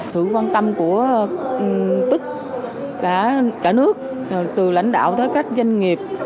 sự quan tâm của tất cả nước từ lãnh đạo tới các doanh nghiệp